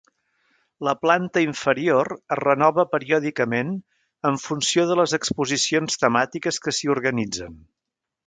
La planta inferior es renova periòdicament en funció de les exposicions temàtiques que s'hi organitzen.